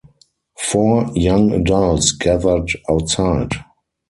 Four young adults gathered outside.